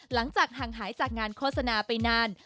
หลังจากห่างหายจากงานโฆษณาไปนาน